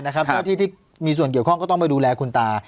เพราะที่มีส่วนเกี่ยวกับคล่องก็ต้องไปดูแลคุณตา